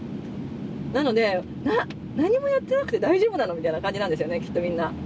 なので何もやってなくて大丈夫なの？みたいな感じなんですよねきっとみんな。